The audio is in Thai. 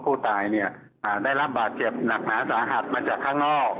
ผู้ตายเนี่ยได้รับบาดเจ็บหนักหนาสาหัสมาจากข้างนอก